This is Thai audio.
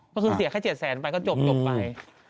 ก็คือเสียแค่๗๐๐๐๐๐บาทแล้วก็จบต่อไป